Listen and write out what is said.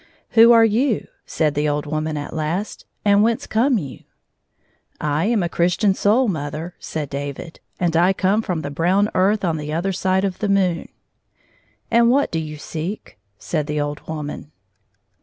" Who are you ?" said the old woman at last, " and whence come you ?" "I am a Christian soul, mother," said David, " and I come fi om the brown earth on the other side of the moon." " And what do you seek ?" said the old woman.